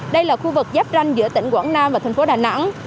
đây là khu vực giáp ranh giữa tỉnh quảng nam và thành phố đà nẵng